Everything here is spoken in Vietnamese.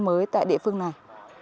mới tại địa phương này